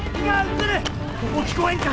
そこ聞こえんか？